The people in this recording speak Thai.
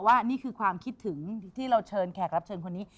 นี่คือความคิดถึงที่เราเชิญแขกรับเชิญคนนี้